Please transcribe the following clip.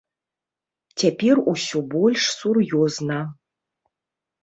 Цяпер усё больш сур'ёзна.